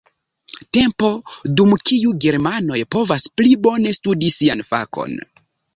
Tempo, dum kiu germanoj povas pli bone studi sian fakon.